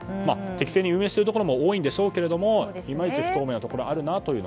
適正に運営しているところも多いんでしょうけどもいまいち不透明なところがあるなと。